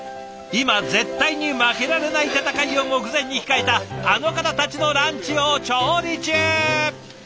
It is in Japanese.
今絶対に負けられない戦いを目前に控えたあの方たちのランチを調理中。